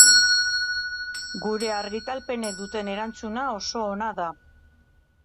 Gure argitalpenek duten erantzuna oso ona da.